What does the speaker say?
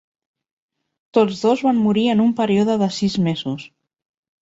Tots dos van morir en un període de sis mesos.